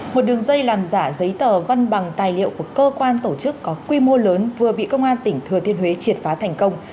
một đường dây làm giả giấy tờ văn bằng tài liệu của cơ quan tổ chức có quy mô lớn vừa bị công an tỉnh thừa thiên huế triệt phá thành công